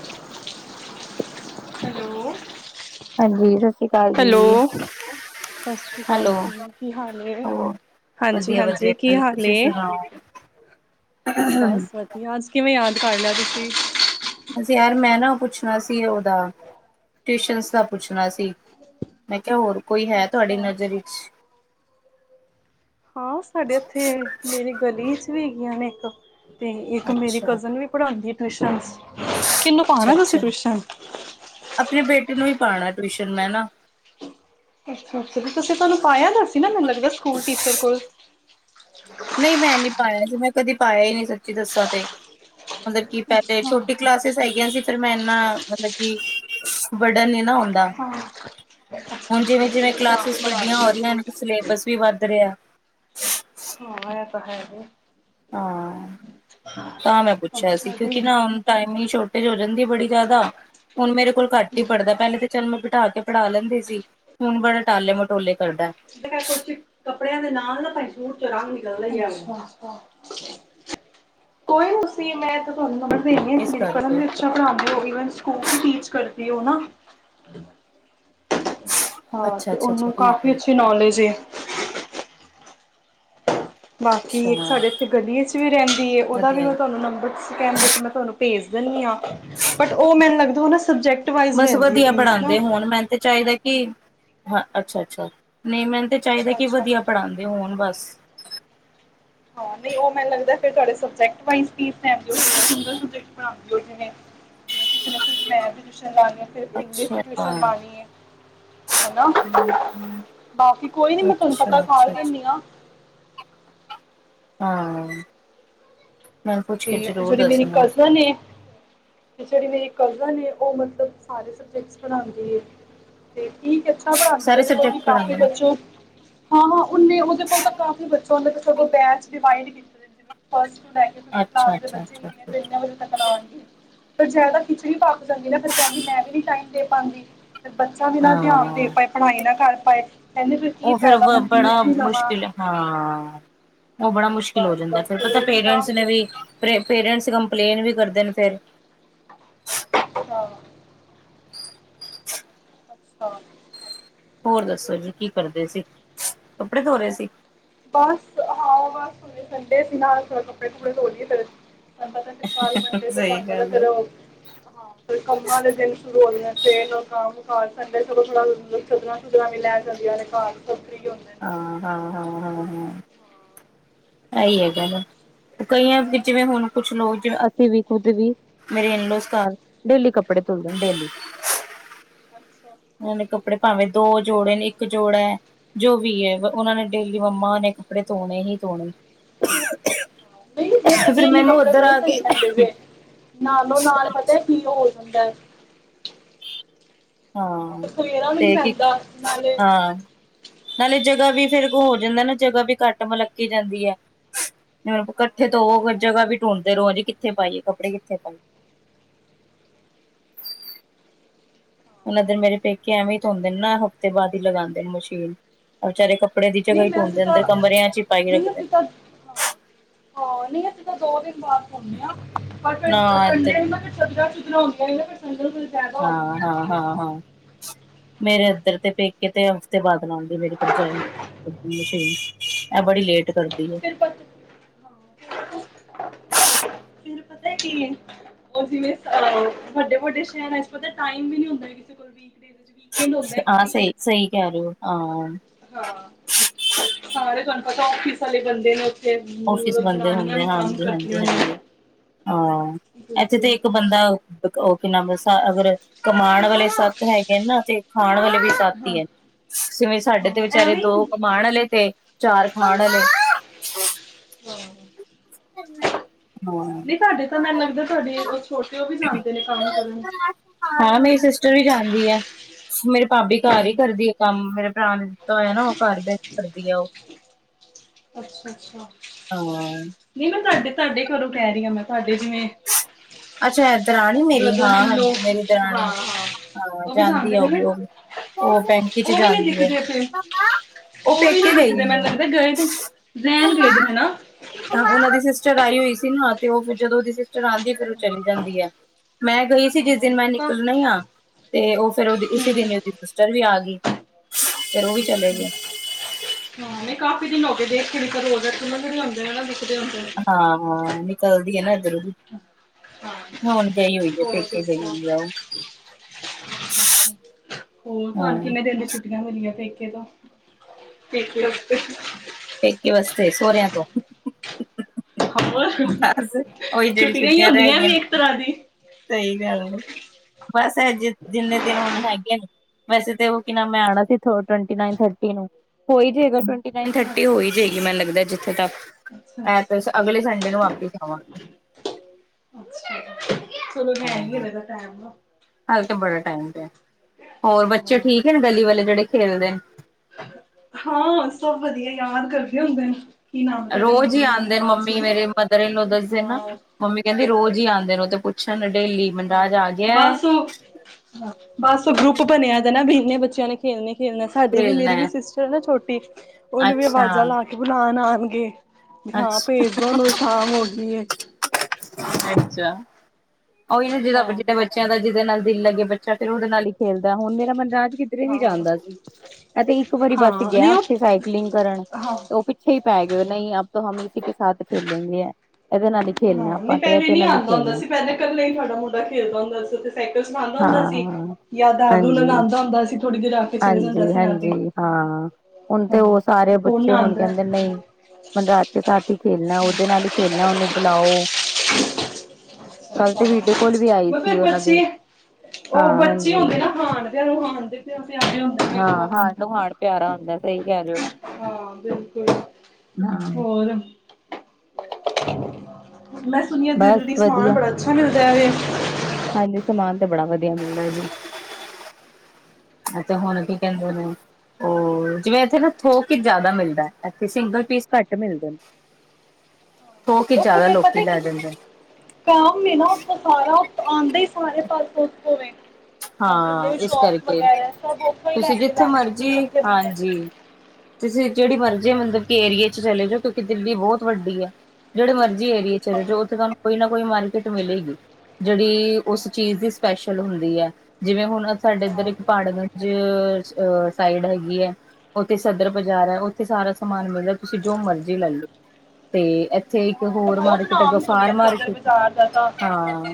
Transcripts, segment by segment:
[inaudible] Hello. ਹਾਂਜੀ ਸਤ ਸ੍ਰੀ ਅਕਾਲ ਜੀ। ਹੈਲੋ। ਸਤਿ ਸ਼੍ਰੀ ਹੈਲੋ ਅਕਾਲ ਜੇ ਕੀ ਹਾਲ ਹੈ? ਹੋਰ ਹਾਂਜੀ ਵਧੀਆ ਵਧੀਆ ਹਾਂਜੀ ਕੀ ਜੀ ਹਾਲ ਤੁਸੀਂ ਸੁਣਾਓ? ਬਸ ਬਸ। ਅੱਜ ਕਿਵੇਂ ਯਾਦ ਕਰ ਲਿਆ ਤੁਸੀਂ? ਅ ਯਾਰ ਮੈਂ ਨਾ ਉਹ ਪੁੱਛਣਾ ਸੀ ਉਹਦਾ ਟਿਊਸ਼ਨਸ ਦਾ ਪੁੱਛਣਾ ਸੀ। ਮੈਂ ਕਿਹਾ ਹੋਰ ਕੋਈ ਹੈ ਤੁਹਾਡੀ ਅੱਛਾ। ਨਜ਼ਰ ਵਿਚ। ਹਾਂ ਸਾਡੇ ਇੱਥੇ ਮੇਰੀ ਗਲੀ ਚ ਵੀ ਹੈਗੀਆਂ ਨੇ ਇੱਕ ਤੇ ਇੱਕ ਮੇਰੀ ਅੱਛਾ ਕਜ਼ਨ ਵੀ ਪੜ੍ਹਾਉਂਦੀ ਟਿਊਸ਼ਨ ਕਿਹਨੂੰ ਅੱਛਾ ਪਾਉਣਾ ਅੱਛਾ ਤੁਸੀਂ ਟਿਊਸ਼ਨ? ਆਪਣੇ ਬੇਟੇ ਨੂੰ ਹੀ ਪਾਉਣਾ ਟਿਊਸ਼ਨ ਮੈਂ ਨਾ। ਅੱਛਾ ਅੱਛਾ ਤੁਸੀਂ ਤੁਹਾਨੂੰ ਪਾਇਆ ਦਾ ਸੀ ਨਾ ਮੈਨੂੰ ਲੱਗ ਦਾ ਸਕੂਲ ਟੀਚਰ ਕੋਲ। ਨਹੀਂ ਮੈਂ ਨੀ ਪਾਇਆ ਸੀ ਮੈਂ ਕਦੀ ਪਾਇਆ ਹੀ ਨਹੀਂ ਸੱਚੀ ਦੱਸਾਂ ਤੇ। ਮਤਲਬ ਕਿ ਪਹਿਲੇ ਅੱਛਾ। ਛੋਟੀ ਕਲਾਸਿਸ ਹੈਗੀਆਂ ਸੀ। ਫਿਰ ਮੈਂ ਇੰਨਾ ਮਤਲਬ ਕਿ ਬਰਡਨ ਨੀ ਨਾ ਹੁੰਦਾ। ਹਾਂ ਤਾਂ ਅੱਛਾ ਹੁਣ ਅੱਛਾ, ਜਿਵੇਂ ਜਿਵੇਂ ਤੁਸੀਂ ਆਪ ਹੀ ਕਲਾਸਿਸ ਵੱਡੀਆਂ ਹੋ ਰਹੀਆਂ ਪੜ੍ਹਾਂਦੇ ਨੇ। ਸੀ। ਸਿਲੇਬਸ ਵੀ ਵੱਧ ਰਿਹਾ। ਹ ਇਹ ਤਾਂ ਹੈ ਵੇ ਹਾਂ ਤਾਂ ਮੈਂ ਪੁੱਛਿਆ ਸੀ ਅੱਛਾ ਕਿਉਂਕਿ ਤੇ ਨਾ ਟਾਈਮ ਹੀ ਛੋਟੇਜ ਹੋ ਜਾਂਦੀ ਬੜੀ ਜ਼ਿਆਦਾ ਹੁਣ ਮੇਰੇ ਕੋਲ ਘੱਟ ਹੀ ਪੜ੍ਹਦੇ ਪਹਿਲੇ ਤਾਂ ਚਲ ਮੈ ਬਿਠਾ ਕੇ ਪੜ੍ਹਾ ਲੈਂਦੇ ਸੀ ਹੁਣ ਬੜਾ ਟਾਲੇ ਮਟੋਲੇ ਕਰਦਾ। ਖ ਕੁਛ ਕੱਪੜਿਆਂ ਦੇ ਨਾਲ ਨਾ ਪਾਈ ਸੂਟ 'ਚ ਰੰਗ ਨਿਕਲਦਾ ਐਸਤਾ- ਐਸਤਾ [inaudible] ਕੋਈ ਤੁਸੀ ਮੈਂ ਤੁਹਾਨੂੰ ਨੰਬਰ ਭੇਜ ਇਸ ਦੀ ਕਰਨ ਕਰਕੇ ਵੀ ਅੱਛਾ ਪੜਾਂਦੇ ਹੋ ਈਵਨ ਸਕੂਲ ਵੀ ਟੀਚ ਕਰਦੇ ਹੋ ਨਾ। ਹਾਂ ਅੱਛਾ ਤੇ ਅੱਛਾ ਅੱਛਾ ਉਹਨੂੰ ਠੀਕ ਹੈ ਕਾਫੀ ਅੱਛੀ ਨੌਲੇਜ ਏ। ਬਾਕੀ ਅੱਛਾ ਇੱਕ ਸਾਡੇ ਇੱਥੇ ਗੱਡੀ 'ਚ ਵੀ ਰਹਿੰਦੀ ਏ ਉਹਦਾ ਵੀ ਵਧੀਆ ਮੈਂ ਜੀ। ਤੁਹਾਨੂੰ ਨੰਬਰ ਜੇ ਕਹਿੰਦੇ ਤੇ ਮੈਂ ਤੁਹਾਨੂੰ ਭੇਜ ਦਿੰਦੀ ਹਾਂ। ਬਟ ਉਹ ਮੈਨੂੰ ਲੱਗਦਾ ਨਾ ਸਬਜੈਕਟ ਵਾਈਜ਼ ਲੈਂਦੀ ਆ ਫੀਸ ਨਾ। ਹੁਣ ਮੈਨੂੰ ਤੇ ਚਾਹੀਦਾ। ਕਿ ਹਾਂ ਅੱਛਾ- ਅੱਛਾ ਨਹੀਂ ਮੈਨੂੰ ਤਾਂ ਚਾਹੀਦਾ ਅੱਛਾ ਕਿ ਅੱਛਾ ਵਧੀਆ ਪੜ੍ਹਾਂਦੇ ਹੋਣ ਬਸ ਹਾਂ ਨਹੀਂ ਉਹ ਮੈਨੂੰ ਲੱਗਦਾ ਫੇਰ ਤੁਹਾਡੇ ਸਬਜੈਕਟ ਵਾਇਜ਼ ਫੀਸ ਲੈਣਗੇ ਕਿਉਕਿ ਸਿੰਗਲ ਸਬਜੈਕਟ ਪੜ੍ਹਾਦੇ ਹੋ ਨੇ ਜਿਵੇਂ ਕਿਸੇ ਨੇ ਸਿਰਫ ਮੈਂਥ ਦੀ ਟਿਊਸ਼ਨ ਲਾਣੀ। ਫਿਰ ਇੰਗਲਿਸ਼ ਅੱਛਾ ਦੀ ਟਿਊਸ਼ਨ ਲਾਣੀ ਏ। ਹਨਾ ਬਾਕੀ ਕੋਈ ਨੀ ਅੱਛਾ ਮੈਂ ਤੁਹਾਨੂੰ ਪਤਾ ਅੱਛਾ ਕਰ ਅੱਛਾ ਦਿੰਦੀ ਆਂ। ਆਂ। ਤੇ ਉਹ ਜਿਹੜੀ ਮੇਰੀ ਦੱਸਣਾ ਕਜ਼ਨ ਏ। ਅਤੇ ਜਿਹੜੀ ਮੇਰੀ ਕਜ਼ਨ ਹੈ ਉਹ ਮਤਲਬ ਸਾਰੇ ਸਬਜੈਕਟਸ ਪੜ੍ਹਾਂਦੀ ਏ। ਤੇ ਠੀਕ ਅੱਛਾ ਪੜਾਂਦੀ ਸਾਰੇ ਉਹਦੇ ਕੋਲ ਵੀ ਸਬਜੈਕਟ ਕਾਫੀ ਪੜ੍ਹਾਉਂਦੇ ਨੇ ਬੱਚੇ ਹਾਂ ਹਾਂ ਉਹਨੇ ਉਹਦੇ ਕੋਲ ਤਾਂ ਕਾਫੀ ਬੱਚੇ ਉਹ ਨੇ ਤਾਂ ਸਗੋਂ ਬੈਚ ਡਿਵਾਈਡ ਕੀਤੇ ਜਿਵੇਂ ਫਸਟ ਤੋ ਲੈ ਕੇ ਅੱਛਾ ਘਰ ਦੇ ਅੱਛਾ ਅੱਛਾ ਬੱਚੇ ਅੱਛਾ ਇੰਨੇ ਅੱਛਾ ਤੇ ਇੰਨੇ ਵਜੇ ਤੱਕ ਲਾਣਗੇ। ਫ ਜ਼ਿਆਦਾ ਖਿਚੜੀ ਪੱਕ ਜਾਂਦੀ ਨਾ ਫਿਰ ਕਹਿੰਦੀ ਮੈਂ ਵੀ ਨੀ ਟਾਈਮ ਪਾਂਦੀ। ਬੱਚਾ ਵੀ ਨਾ ਧਿਆਨ ਦੇ ਹਾਂ ਪਾਏ ਪੜ੍ਹਾਈ ਨਾ ਕਰ ਪਾਏ ਕਹਿੰਦੇ ਫਿਰ ਕੀ ਉਹ ਫੇਰ ਫਾਇਦਾ ਮੈਂ ਫੀਸ ਬੜਾ ਵੀ ਲਵਾਂ। ਮੁਸ਼ਕਿਲ ਹਾਂ ਉਹ ਬੜਾ ਹਾਂ ਮੁਸ਼ਕਿਲ ਹੋ ਜਾਂਦਾ ਫਿਰ ਬਸ-ਬਸ ਪਤਾ ਉਹਦੀ ਤਾਂ ਪੇਰੈਂਟਸ ਨੇ ਵੀ ਪੇਰੈਂਟਸ ਕੰਪਲੇਨ ਵੀ ਕਰਦੇ ਨੇ ਫਿਰ ਹਾਂ ਹਾਂ ਹੋਰ ਦੱਸੋ ਜੀ ਕੀ ਕਰਦੇ ਸੀ ਕੱਪੜੇ ਧੋ ਰਹੇ ਸੀ। ਬਸ ਹਾਂ ਬਸ ਸੰਡੇ ਸੀ ਨਾ ਕੱਪੜੇ ਕੁਪੜੇ ਧੋ ਲਈਏ ਫੇਰ ਤੁਹਾਨੂੰ ਪਤਾ ਫ ਕੱਲ ਮੰਡੇ ਤੇ ਸਹੀ ਤੁਹਾਨੂੰ ਪਤਾ ਗੱਲ ਹੈ ਫਿਰ ਹਾਂ ਫਿਰ ਕੰਮਾਂ ਵਾਲੇ ਦਿਨ ਸ਼ੁਰੂ ਹੋ ਗਿਆਂ। ਫ ਲੋਕਾਂ ਨੂੰ ਸੰਡੇ ਚੱਦਰਾਂ ਚੁਦਰਾਂ ਵੀ ਲੈ ਜਾਂਦੀਆਂ ਨੇ ਘਰ ਸਭ ਫ੍ਰੀ ਹੁੰਦੇ। ਨੇ ਹਾਂ- ਹਾਂ- ਹਾਂ- ਹਾਂ-ਹਾਂ। ਇਹੀ ਹੈ ਗੱਲ ਕਈਆਂ ਵੀ ਜਿਵੇਂ ਹੁਣ ਕੁਛ ਲੋਕ ਜਿਵੇਂ ਅਸੀਂ ਵੀ ਖੁੱਦ ਵੀ ਮੇਰੇ ਏਨ ਸਾਲ ਘਰ ਡੇਲੀ ਕੱਪੜੇ ਧੋਲਦੇ ਪਏ ਨੇ। ਅੱਛਾ ਉਹ ਨੇ ਕੱਪੜੇ ਭਾਵੇਂ ਦੋ ਜੋੜੇ ਆਹੋ ਨੇ ਇੱਕ ਜੋੜਾ ਜੋ ਵੀ ਹੈ ਉਹਨਾਂ ਨੇ ਡੇਲੀ ਮੰਮਾ ਨੇ ਕੱਪੜੇ ਧੋਣੇ ਹੀ ਧੋਣੇ। [inaudible] ਨਹੀਂ ਵੈਸੇ ਫਿਰ ਡੇਲੀ ਮੈਨੂੰ ਕੱਪੜੇ ਉੱਧਰ ਬੜੇ ਆ ਕੇ ਸਹੀ ਲੈਂਦੇ ਜੇ ਨਾਲੋਂ ਨਾਲ ਪਤਾ ਕੀ ਹੋ ਜਾਂਦਾ। ਹਾਂ ਇੱਕ ਖਲੇਰਾ ਵੀ ਨਹੀਂ ਤੇ ਕਿ ਪੈਂਦਾ ਨਾਲੇ ਹਾਂ। ਨਾਲੇ ਜਗ੍ਹਾ ਵੀ ਫਿਰ ਹੋ ਜਾਂਦਾ ਨਾ ਜਗ੍ਹਾ ਵੀ ਘੱਟ ਮਲੱਕੀ ਜਾਂਦੀ ਹੈ। [inaudible] ਬ ਇਕੱਠੇ ਤੋਂ ਹਾਂ ਇਹ ਤਾਂ ਉਹ ਹੈ ਜਗ੍ਹਾ ਵੀ ਟੂੰਡਦੇ ਰਹੋ ਕਿੱਥੇ ਪਾਈਏ ਕੱਪੜੇ ਕਿੱਥੇ ਪਾਈਏ। ਹੁਣ ਇੱਧਰ ਮੇਰੇ ਪੇਕੇ ਐਵੇਂ ਧੋਂਦੇ ਨਾ ਹਫ਼ਤੇ ਬਾਅਦ ਹੀ ਲਗਾਂਦੇ ਨੇ ਮਸ਼ੀਨ ਵਿਚਾਰੇ ਕੱਪੜੇ ਦੀ ਨਹੀਂ ਜਗ੍ਹਾ ਵੈਸੇ ਢੂੰਡਦੇ ਤਾਂ ਅੰਦਰ ਕਮਰਿਆਂ 'ਚ ਹੀ ਪਾਈ ਨਹੀਂ ਰੱਖਦੇ। ਅਸੀਂ ਤਾਂ ਹਾਂ ਹਾਂ ਨਹੀਂ ਅਸੀਂ ਤਾਂ ਦੋ ਦਿਨ ਬਾਅਦ ਧੋਣੇ ਹਾਂ ਪਰ ਨਾ ਫੇਰ ਸੰਡੇ ਇੱਧਰ ਨੂੰ ਨਾ ਫਿਰ ਚਦਰਾ ਚੁਦਰਾ ਹੁੰ [unintelligible] ਹਾਂ-ਹਾਂ-ਹਾਂ-ਹਾਂ। [inaudible] ਮੇਰੇ ਅੰਦਰ ਤੇ ਪੇਕੇ ਤੇ, ਹਫਤੇ ਬਾਅਦ ਲਾਉਂਦੀ ਮੇਰੀ ਭਰਜਾਈ ਐ ਬੜੀ, ਲੇਟ ਕਰਦੀ ਏ ਫਿਰ ਪਤ ਹਾਂ ਫਿਰ ਫਿਰ ਪਤਾ ਕੀ ਏ ਉਹ ਜਿਵੇਂ, ਅ ਵੱਡੇ -ਵੱਡੇ ਸ਼ਹਿਰ ਵਿੱਚ ਪਤਾ ਟਾਈਮ, ਵੀ ਨੀ ਹੁੰਦਾ ਕਿਸੇ ਵੀਕ। [inaudible] ਹਾਂ, ਸਹੀ -ਸਹੀ ਕਹਿ ਰਹੇ ਹੋ। ਹਾਂ ਸਾਰੇ, ਤੁਹਾਨੂੰ ਪਤਾ ਔਫਿਸ ਵਾਲੇ ਬੰਦੇ ਨੇ। ਤੇ ਆਫਿਸ ਬੰਦੇ ਜਨਾਾਨੀਆਂ ਹੁੰਦੇ ਵੀ, ਕੰਮ ਹਾਂਜੀ ਹਾਂਜੀ ਕਰਦੀਆਂ ਨੇ। ਹਾਂਜੀ ਹਾਂ ਇੱਥੇ ਤੇ ਬਿਲਕੁਲ ਇੱਕ ਬੰਦਾ ਉਹ ਕੀ ਨ ਅਗਰ ਕਮਾਉਣ ਵਾਲੇ ਸੱਤ ਹੈਗੇ, ਨਾ ਤੇ ਖਾਣ ਵਾਲੇ ਵੀ, ਸਾਥੀ ਹਾਂ ਹੈ ਜਿਵੇਂ ਸਾਡੇ ਹਾਂ ਤੇ ਵਿਚਾਰੇ ਐਵੇਂ ਹੀ ਦੋ ਹੁੰਦਾ ਕਮਾਣ ਵਾਲੇ ਤੇ ਚਾਰ ਖਾਣ ਵਾਲੇ ਹਾਂ ਹ [inaudible] [unintelligible] ਨਹੀਂ, ਤੁਹਾਡੇ ਤਾਂ ਮੈਨੂੰ ਲੱਗਦਾ, ਤੁਹਾਡੇ ਛੋਟੇ ਉਹ ਵੀ ਜਾਂਦੇ ਨੇ ਕੰਮ ਕਰਨ। ਹਾਂ ਮੇਰੀ ਸਿਸਟਰ ਵੀ ਜਾਂਦੀ ਹੈ, ਮੇਰੇ ਭਾਬੀ ਘਰ ਹੀ ਹੂੰ, ਕਰਦੀ ਹੈ, ਕੰਮ ਮੇਰੇ ਭਰਾ ਨੇ ਤਾਂ ਨਾ ਉਹ, ਘਰ ਬੈਠ ਕਰਦੀ ਆ ਉਹ। ਅੱਛਾ -ਅੱਛਾ। ਹਾਂ [inaudible] ਨਹੀਂ ਮੈਂ ਤੁਹਾਡੇ- ਤੁਹਾਡੇ ਘਰੋਂ ਕਹਿ ਰਹੀ ਹਾਂ ਮੈਂ ਤੁਹਾਡੇ ਜਿਵੇਂ ਹ [inaudible] ਅੱਛਾ ਦਰਾਣੀ ਮੇਰੀ ਹਾਂ, ਬ੍ਰਦਰ ਇਨ ਲੋ ਹਾਂਜੀ ਮੇਰੀ ਦਰਾਣੀ ਹਾਂ, ਉਹ ਵੀ ਜਾਂਦੀ ਜਾਂਦੇ ਆ ਉਹ ਨੇ ਨਾ ਵੀ ਉਹ ਵੀ ਉਹ ਫੈਕੀ ਚ ਉਹ ਵੀ ਨੀ ਜਾਂਦੀ ਏ ਦਿਖਦੇ ਫਿਰ ਉਹ ਵੀ ਨੀ ਪੇਕੇ ਗਈ ਦਿਖਦੇ ਦੀ ਮੈਨੂੰ ਏ। ਲੱਗਦਾ ਗਏ ਤੇ ਰਹਿਣ ਗਏ ਦੇ ਨੇ ਨਾ। ਤੇ ਉਹਨਾਂ ਦੀ ਸਿਸਟਰ ਆਈ ਹੋਈ ਸੀ ਨਾ, ਤੇ ਉਹ ਫੇਰ ਜਦੋਂ ਉਹਦੀ ਸਿਸਟਰ ਆਉਂਦੀ, ਫਿਰ ਉਹ ਚਲੀ ਜਾਂਦੀ ਹੈ। ਮੈਂ ਗਈ ਸੀ, ਜਿਸ ਹਾਂ ਦਿਨ ਮੈਂ ਕਾ ਨਿਕਲਣਾ ਆ, ਤੇ ਉਹ ਫੇਿਰ ਉਸੀ ਹੂੰ ਦਿਨ ਉਹਦੀ ਸਿਸਟਰ ਵੀ ਆ ਗਈ। ਫਿਰ ਉਹ ਵੀ ਚਲੇ ਅੱਛਾ। ਗਏ ਹਾਂ ਨਹੀਂ, ਕਾਫੀ ਦਿਨ ਹੋ ਗਏ ਕੇ ਦੇਖ ਵੀ ਰੋਜ਼ ਜਿਹੜੇ ਨਾ ਸੁਣਨ ਨੂੰ ਹੁੰਦੇ। ਵਿੱਚ ਦਿਨ ਵਾਸਤੇ ਹਾਂ- ਹਾਂ ਨਿਕਲਦੀ ਹੈ ਨਾ ਇੱਧਰ ਦੀ ਹਾਂ ਹੁਣ, ਗਈ ਹੋਈ ਹੈ, ਹੋਰ ਪੇੇਕੇ ਗਈ ਦੱਸੋ? ਹੋਈ ਆ ਉਹ। ਹੋਰ, ਤੁਹਾਨੂੰ ਹਾਂ ਕਿੰਨੇ ਦਿਨ ਦੀ ਛੁੱਟੀ? ਮੈਂ ਆਂਈ ਪੇਕੇ ਤਾਂ ਤੋਂ ਪੇਕੇ ਵਾਤੇ ਇੱਕ ਵਸਤੇ, ਸੋਰਿਆਂ ਤੋਂ। ਹੋਰ ਬਸ ਉਹੀ, ਜਿਹੜੀ ਹੀ ਛੁੱਟੀਆਂ ਰ ਹੁੰਦੀਆਂ ਹੈਗੀਆਂ। ਵੀ ਇੱਕ ਤਰ੍ਹਾਂ ਦੀ ਸਹੀ ਗੱਲ ਹੈ, ਬਸ ਅਜ ਜਿੰਨੇ ਦਿਨ ਹੁਣ ਹੈਗੇ ਨੇ ਵੈਸੇ ਤੇ ਉਹ ਕੀ ਨਾ, ਮੈਂ ਆਉਣਾ ਸੀ ਟਵਟੀ ਨਿਨ ਥਰਟੀ ਨੂੰ। ਹੋਈ ਜਾਏਗਾ, ਟਵਟੀ ਨਨ ਅੱਛਾ ਥਰਟੀ ਅੱਛਾ ਹੋਈ ਜਾਏਗੀ ਮੈਨੂੰ ਲੱਗਦਾ, ਜਿੱਥੇ ਤੱਕ ਅੱਛਾ ਐ ਅੱਛਾ ਅਗਲੇ। ਪਹਿਲਾ ਰਵਾ ਕੇ ਜਾਵਾਗੀ ਅੱਛਾ ਚਲੋ ਮੈਂ ਆਗੀ ਰਦਾ ਟਾਈਮ। [inaudible] ਹਾਲ ਤਾਂ ਬੜਾ ਟਾਈਮ ਪਿਆ, ਹੋਰ ਬੱਚੇ ਹਾਂ ਠੀਕ ਨੇ ਗਲੀ ਵਾਲੇ ਜਿਹੜੇ ਖੇਲਦੇ ਨੇ। ਹਾਂ, ਸਭ ਵਧੀਆ, ਯਾਦ ਕਰਦੇ ਹੁੰਦੇ ਨੇ। ਕੀ ਨਾਮ ਤੁਹਾਡੇ ਰੋਜ਼ ਮੁੰਡੇ ਹੀ ਨੂੰ ਆਉਂਦੇ ਨੇ, ਮਨਰਾਜ ਮੰਮੀ ਨੂੰ ਮੇਰੇ ਮਦਰ ਇਨ -ਲੋ ਨੂੰ, ਦੱਸਦੇ ਨਾ ਹਾਂ ਮੰਮੀ ਕਹਿੰਦੀ, ਰੋਜ਼ ਹੀ ਆਉਂਦੇ ਨੇ ਉਹ ਪੁੱ। ਅਛਾ, ਨਡੇਲੀ ਹਾਂ ਮਨਰਾਜ ਆ ਗਿਆ। ਬਸ ਉਹ ਬਸ, ਗਰੁੱਪ ਬਣਿਆ ਦੇ ਨਾ ਵੀ, ਇੰਨੇ ਬੱਚਿਆਂ ਨੇ ਖੇਲਣੇ -ਖੇਲਣਾ ਸਾਡੀ ਵੀ ਖੇਲਣਾ ਮੇਰੀ ਵੀ ਹੈ ਸਿਸਟਰ ਜਿਹੜੀ ਨਾ ਛੋਟੀ, ਉਹਨੂੰ ਵੀ ਅੱਛਾ ਆਵਾਜ਼ਾਂ ਲਾ ਕੇ ਬੁਲਾਉਣ ਆਉਣਗੇ। ਵੀ ਹਾਂ, ਅੱਛਾ ਭੇਜਦੌ ਉਹਨੂੰ ਸ਼ਾਮ ਹੋ ਗਈ। ਅੱਛਾ, ਉਹੀ ਨਾ ਜਿ ਜਿ। ਹਾਂ ਬੱਚਿਆਂ ਦਾ ਜਿਹਦੇ ਨਾਲ, ਦਿਲ ਲੱਗੇ ਬੱਚਾ ਫੇਿਰ ਉਹਦੇ ਨਾਲ ਹੀ ਖੇਲਦਾ, ਹੁਣ ਮੇਰਾ ਮਨ ਰਾਜ ਕਿੱਧਰੇ ਨੀ ਹਾਂ ਜਾਂਦਾ ਸੀ। ਤੇ ਇੱਕ ਵਾਰੀ, ਬੱਸ ਹਾਂ ਗਿਆ ਨਹੀਂ ਉਹ ਉੱਥੇ ਸਾਈਕਲਿੰਗ ਕਰਨ ਹਾਂ ਉਹ ਪਿਛੇ ਹੀ ਪੈ ਗਏ, ਨਹੀਂ ਹਮ ਤੋਂ ਇਸੇ ਕੇ ਸਾਥ ਖੇਲੈਂਗੇ ਹੈ ਇਹਦੇ ਨਾਲ। ਹੀ ਖੇਲਣਾ ਹਾਂ ਆਪਾਂ ਤੇ ਨਹੀਂਪਹਿਲੇ ਇਹਦੇ ਨੀ ਨਾਲ ਹੀ ਆਂਦਾ ਹੁੰਦਾ ਖੇਲਣਾ ਸੀ। ਪਹਿਲੇ ਇਕਲਾ ਤੁਹਾਡਾ ਮੁੰਡਾ ਖੇਲਦਾ ਹੁੰਦਾ ਸੀ। ਇਹ ਸਿਖਾਂਦਾ ਹੁੰਦਾ ਸੀ ਹਾਂ ਯਾ ਦਾਦੂ ਨਾਲ ਹਾਂਜੀ। ਆਂਦਾ ਹੁੰਦਾ ਸੀ ਥੋੜੀ ਦੇਰ ਆ ਕੇ ਨਾਹ ਕੇ ਚਲਾ ਜਾਂਦਾ ਹਾਂਜੀ ਸੀ ਨਾ ਤੇ ਹਾਂਜੀ ਹਾਂ ਹੁਣ ਤੇ ਉਹ ਸਾਰੇ ਬੱਚੇ ਨਾ ਹੁਣ ਆਉਂਦਾ ਕਹਿੰਦੇ ਨਹੀਂ। ਮਨੂੰ ਰਾਜ ਕੇ ਸਾਥ ਹੀ ਖੇਲਣਾ ਉਹਦੇ ਨਾਲ ਹੀ ਖੇਲਣਾ ਉਹਨੂੰ ਬੁਲਾਓ। ਕੱਲ ਤੇ ਵੀਡੀਓ ਕੋਲ ਵੀ ਆਈ ਮੈਂ ਸੀ ਫਿਰ ਉਹਨਾਂ ਦੀ ਬੱਚੇ ਉਹ ਹਾਂ ਬੱਚੇ ਹਾਂਜੀ ਹੁੰਦੇ ਨਾ ਹਾਣ ਦੇ ਹਾਣ। ਪਿਆ ਪਿਆਰੇ ਹੁੰਦੇ ਹਾਂ ਦੇਖੋ ਹਾ ਣ ਨੂੰ ਹਾਣ ਪਿਆਰਾ ਹੁੰਦਾ ਸਹੀ ਕਹਿ ਰਹੇ ਹੋ। ਹਾਂ ਬਿਲਕੁਲ ਹਾਂ ਹੋਰ। ਮੈਂ ਸੁਣੀਆਂ ਬਸ ਦਿੱਲੀ ਸਮਾਨ ਵਧੀਆ ਬੜਾ ਅੱਛਾ ਮਿਲਦਾ। ਹਾਂਜੀ ਸਮਾਨ ਤੇ ਬੜਾ ਵਧੀਆ ਮਿਲਦਾ ਜੀ। ਅੱ ਤੇ ਹੁਣ ਕੀ ਕਹਿੰਦੇ ਨੇ ਉਹ ਜਿਵੇਂ ਇੱਥੇ ਨਾ ਥੋਕ ਜਿਆਦਾ ਮਿਲਦਾ ਇਥੇ ਸਿੰਗਲ ਪੀਸ ਘੱਟ ਮਿਲਦੇ ਨੇ। ਥੋ ਕੇ ਜਿਆਦਾ ਲੋਕੀ ਲੈ ਦਿੰਦੇ। ਕਮ ਨੇ ਨਾ ਉ। ਸਾਰਾ ਆਉਂਦੇ ਸਾਰੇ ਭਰ ਹੋਵੇ। ਹਾਂ ਇਸ ਕਰਕੇ ਸਭ ਉੱਥੋਂ ਹੀ ਤੁਸੀਂ ਲੈ ਕੇ ਜਿੱਥੇ ਜਾਂਦੇ ਨੇ ਮਰਜੀ ਇਕੱਠੇ ਬੰਡਲ ਹਾਂਜੀ। ਤੁਸੀਂ ਜਿਹੜੀ ਮਰਜ਼ੀ ਮਤਲਬ ਕਿ ਏਰੀਏ ਚ ਚਲੇ ਜਾਓ ਕਿਉਂਕਿ ਦਿੱਲੀ ਬਹੁਤ ਵੱਡੀ ਹੈ। ਜਿਹੜੇ ਮਰਜੀ ਏਰੀਏ ਚੇ ਉੱਥੇ ਤਾਨੂੰ। ਕੋਈ ਨਾ ਕੋਈ ਮਾਰਕੀਟ ਮਿਲੇਗੀ ਜਿਹੜੀ ਉਸ ਚੀਜ਼ ਦੀ ਸਪੈਸ਼ਲ ਹੁੰਦੀ ਹੈ ਜਿਵੇਂ ਹੁਣ ਸਾਡੇ ਇੱਧਰ ਇੱਕ ਪਾੜਗੰਜ ਅ ਸਾਈਡ ਹੈਗੀ ਹੈ। ਉੱਥੇ ਸਦਰ ਬਾਜ਼ਾਰ ਹੈ ਉੱਥੇ ਸਾਰਾ ਸਮਾਨ ਮਿਲਦਾ ਤੁਸੀਂ ਜੋ ਮਰਜੀ ਲੈ ਲੋ। ਤੇ ਇੱਥੇ ਇੱਕ ਮੈਂ ਹੋਰ ਬਹੁਤ ਮਾਰਕੀਟ ਆ ਨਾਮ ਗਫਾਰ ਸੁਣਿਆ ਸਦਰ ਮਾਰਕੀਟ ਬਾਜ਼ਾਰ ਦਾ ਤਾਂ ਹਾਂ।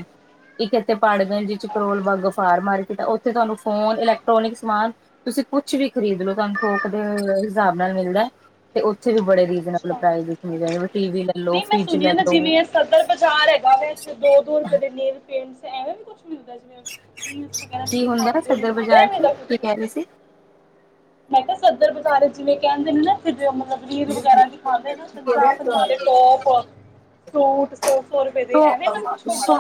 ਇੱਕ ਇੱਥੇ ਪਾੜਗੰਜ ਚ ਕਰੋਲ ਬਾਗ ਫਾਰ ਮਾਰਕੀਟ ਆ ਉੱਥੇ ਤੁਹਾਨੂੰ ਫੋਨ ਇਲੈਕਟ੍ਰੋਨਿਕ ਸਮਾਨ। ਤੁਸੀਂ ਕੁਛ ਵੀ ਖਰੀਦ ਲੋ ਤੁਹਾਨੂੰ ਥੋਕ ਦੇ ਹਿਸਾਬ ਨਾਲ ਮਿਲਦਾ। ਤੇ ਉੱਥੇ ਵੀ ਬੜੇ ਰੀਜਨੇਲ ਪ੍ਰ ਈਜ ਮਿਲ ਟੀ ਵੀ। ਲੋ ਨਹੀਂ ਮੈਂ ਫਰਿਜ ਸੁਣਿਆ ਲੈ ਸੀ ਲੋ। ਜਿਵੇਂ ਸਦਰ ਬਾਜ਼ਾਰ ਹੈਗਾ ਵੇ ਦੋ ਦੋ ਰੁਪਏ ਦੇ ਨੇਲ ਪੇਟ ਐਵੇਂ ਵੀ ਕੁ ਕੁ ਮਿਲਦਾ ਜਿਵੇਂ ਰੀਲਸ ਵਗੈਰਾ ਕੀ ਹੁੰਦਾ ਦਿਖਾਉਦੇ ਨੇ ਸਦਰ ਉਦ ਬਾਜ਼ਾਰ ਚ ਮੇਰਾ ਤੁਸੀਂ ਕੁਛ ਮੈਂ ਕਿਹਾ ਸਦਰ ਬਜ਼ਾਰ ਵਿਚ ਕਹਿੰਦੇ ਨੇ ਨਾ ਫਿਰ ਮਤਲਬ ਰੀਲ ਵਗੈਰਾ ਚ ਦਿਖਾਂਦੇ ਨਾ ਪੰਜਾਹ ਪੰਜਾਹ ਦੇ ਟੋਪ ਸੂਟ। ਸੌ ਸੌ ਰੁਪਏ ਦੇ ਐਵੇਂ ਤੈਨ ਕੁਛ ਹੁੰਦਾ।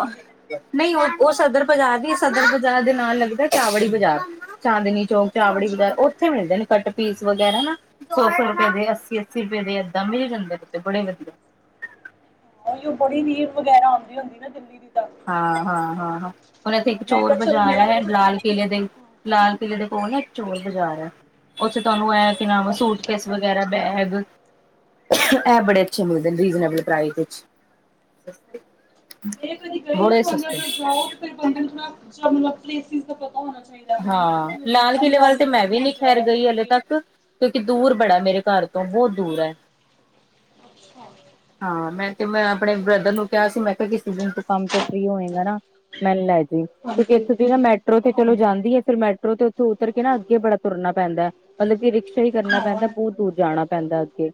ਨਹੀਂ ਉਹ ਉਹ ਸਦਰ ਬਾਜ਼ਾਰ ਦੀ ਸਦਰ ਬਾਜ਼ਾਰ ਦੇ ਨਾਲ ਲੱਗਦਾ ਚਾਵੜੀ ਬਾਜ਼ਾਰ ਚਾਂਦਨੀ ਚੌਕ ਚਾਵੜੀ ਬਜਾਰ ਅੱਛਾ ਹਾਂ ਉੱਥੇ ਮਿਲਦੇ ਨੇ ਕੱਟ ਪੀਸ ਵਗੈਰਾ ਨਾ। ਸੌ ਸੌ ਰੁਪਏ ਦੇ ਅੱਸੀ ਅੱਸੀ ਰੁਪਏ ਦੇ ਏਦਾਂ ਮਿਲ ਜਾਂਦੇ ਕਿਤੇ ਬੜੇ ਵਧੀਆ। ਉਹੀ ਉਹ ਬੜੀ ਰੀਲ ਵਗੈਰਾ ਆਉਂਦੀ ਹੁੰਦੀ ਨਾ ਦਿੱਲੀ ਦੀ। ਤਾਂ ਹਾਂ ਹਾਂ ਹਾਂ ਹਾਂ ਹੁਣ ਇੱਥੇ ਇੱਕ ਮੈਂ ਚੋਰ ਕਿਹਾ ਚਲ ਬਜਾਰ ਮੇਰਾ ਹੈ ਹੈ ਕੁਛ ਲਾਲ ਕਿਲ੍ਹੇ ਦੇ ਲਾਲ ਕਿਲ੍ਹੇ ਦੇ ਕੋਲ ਨਾ ਇੱਕ ਚੋਰ ਬਾਜ਼ਾਰ ਹੈ ਉੱਥੇ ਤੁਹਾਨੂੰ ਇਹ ਕੀ ਸੂਟਕੇਸ ਵਗੈਰਾ ਬੈਗ ਇਹ ਬੜੇ ਅੱਛੇ ਮਿਲਦੇ ਅੱਛਾ ਰੀਜਨੇਬਲ ਪ੍ਰਾਈਜ ਮ ਕਦੀ ਗਈ ਨਾ ਤੁਾਨੇ ਅਗਰ ਜਾਓ ਤੇ ਫਿਰ ਬੰਦੇ ਨੂੰ ਥੋੜਾ ਮਤਲਬ ਪਲੇਸ ਦਾ ਪਤਾ ਹੋਣਾ ਚਾਹੀਦਾ। ਹੁਣ ਮੇਰਾ ਹਾਂ ਕੋਈ ਉੱਥੇ ਲਾਲ ਕਿਲ੍ਹੇ ਰਹਿੰਦਾ ਵੱਲ ਨਹੀਂ ਤੇ ਜਿਹਦੇ ਮੈਂ ਕੋਲ ਵੀ ਨੀ ਅਸੀਂ ਖੈਰ ਜਾ ਕੇ ਗਈ ਹਲੇ ਰਹੀਏ ਤੱਕ ਕਿਉਂਕਿ ਦੂਰ ਬੜਾ ਮੇਰੇ ਘਰ ਤੋਂ ਬਹੁਤ ਦੂਰ ਹੈ। ਅੱਛਾ ਹਾਂ ਮੈਂ ਤੇ ਮੈਂ ਸੀਆਪਣੇ ਬ੍ਰਦਰ ਨੂੰ ਕਿਹਾ ਸੀ ਮੈਂ ਕਿਹਾ ਕਿਸੀ ਦਿਨ ਤੋਂ ਕੰਮ ਤੂ ਫਰੀ ਹੋਏਗਾ ਨਾ ਮੈਨ ਲੈ ਜ ਕਿਉਂਕਿ ਹਾਂਜੀ ਇੱਥੇ ਦੀ ਨਾ ਮੈਟਰੋ ਤੇ ਚਲੋ ਹਾਂ ਜਾਂ ਫਿਰ ਮੈਟਰੋ ਤੇ ਉੱਥੋਂ ਉਤਰ ਕੇ ਨਾ ਅੱਗੇ ਬੜਾ ਤੁਰਨਾ ਪੈਂਦਾ ਹੈ। ਮਤਲਬ ਕਿ ਰਿਕਸ਼ਾ ਹੀ ਕਰਨਾ ਪੈਂਦਾ ਹਾਂ ਬਹੁਤ ਦੂਰ ਜਾਣਾ ਪੈਂਦਾ ਅੱਗੇ।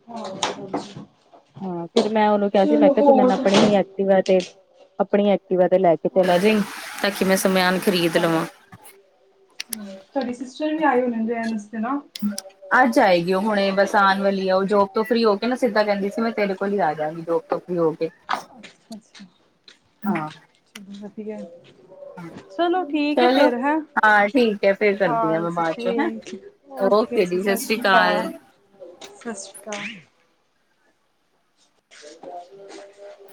ਹਾਂ ਹਾਂ ਫਿਰ ਮੈਂ ਉਹਨੂੰ ਕਿਹਾ ਸੀ ਮੈਂ ਚਲੋ ਕਿਹਾ ਤੂੰ ਮੈਨ ਹੋਰ ਆਪਣੇ ਦੱਸੋ? ਹੀ ਐਕਟਿਵਾ ਤੇ ਆਪਣੀ ਐਕਟੀਵਾ ਤੇ ਲੈ ਕੇ ਚਲਾ ਜਾਈ ਤਾਂ ਕਿ ਮੈਂ ਸਮਾਨ ਖਰੀਦ ਲਵਾਂ ਤੁਹਾਡੇ ਸਿਸਟਰ ਵੀ ਆਏ ਹੋਣੇ ਨ ਰੈਨ ਵਾਸਤੇ ਹਨਾ। ਅੱਜ ਆਏਗੀ ਉਹ ਹੁਣੇ ਬਸ ਆਉਣ ਵਾਲੀ ਆ ਉਹ ਜੋਬ ਤੋਂ ਫ੍ਰਰੀ ਹੋ ਕੇ ਨਾ ਸਿੱਧਾ ਕਹਿੰਦੀ ਸੀ ਮੈਂ ਤੇਰੇ ਕੋਲ ਹੀ ਆ ਜਾਵਗੀ ਜੋਬ ਤੋਂ ਓਕੇ। ਅੱਛਾ। ਹਾਂ। ਵਧੀਆ ਐ, ਚਲੋ ਠੀਕ ਠੀਕ ਐ ਚਲੋ ਫੇਰ ਹੈ ਹਾਂ ਠੀਕ ਹੈ ਫੇਰ ਕਰਦੀ ਹਾਂ ਮੈਂ ਹਾਂਜੀ, ਬਾਅਦ ਚੋਂ ਹੈਂ ਠੀਕ ਏ, ਓਕੇ। ਜੀ ਸਤਿ ਸਸ਼ ਸ੍ਰੀ ਰੀ ਕਾਲ, ਅਕਾਲ ਸਸ਼ ਰੀ ਕਾਲ। [unintelligible]